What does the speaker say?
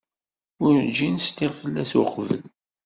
Werǧin sliɣ fell-as uqbel.